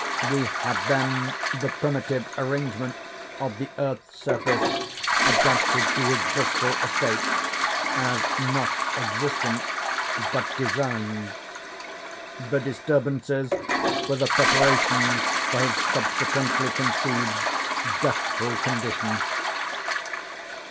We have then the primitive arrangement of the earth's surface adapted to his blissful estate, as not existent but designed. The disturbances were the preparations for his subsequently conceived deathful condition.